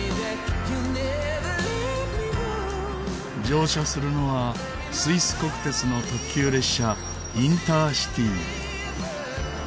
乗車するのはスイス国鉄の特急列車インターシティ。